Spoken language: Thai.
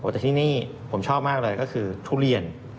แต่ที่นี่ผมชอบมากเลยก็คือทุเรียน